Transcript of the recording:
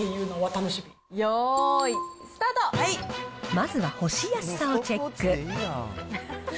まずは干しやすさをチェック。